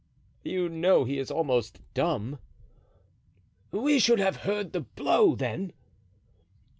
"You know he is almost dumb." "We should have heard the blow, then."